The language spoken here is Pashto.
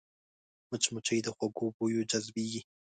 مچمچۍ د خوږو بویو جذبېږي